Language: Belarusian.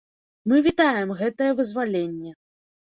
Мы вітаем гэтае вызваленне.